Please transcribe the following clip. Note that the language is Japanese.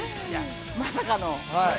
まさかの。